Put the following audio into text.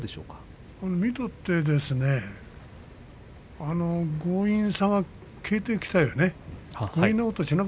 見ていて強引さが消えてきたよね。